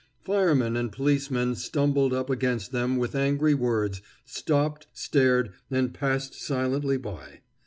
Firemen and policemen stumbled up against them with angry words, stopped, stared, and passed silently by.